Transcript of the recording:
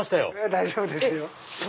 大丈夫ですよ。